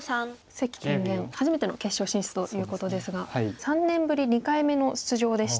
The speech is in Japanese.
関天元初めての決勝進出ということですが３年ぶり２回目の出場でして。